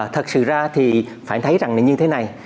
thật sự ra thì phải thấy rằng là như thế này